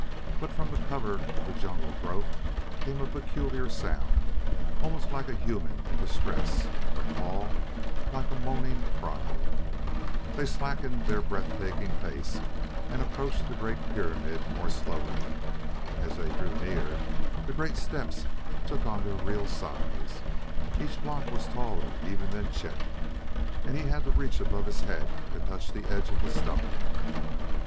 But from the cover of the jungle growth came a peculiar sound, almost like a human in distress a call like a moaning cry. They slackened their breath taking pace and approached the great pyramid more slowly. As they drew near, the great steps took on their real size; each block was taller even than Chet, and he had to reach above his head to touch the edge of the stone.